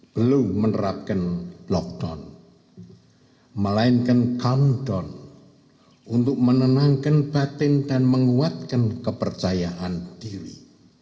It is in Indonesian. belum menerapkan lockdown melainkan countdown untuk menenangkan batin dan menguatkan kepercayaan diri